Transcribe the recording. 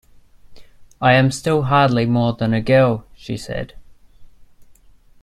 “I am still hardly more than a girl,” she said.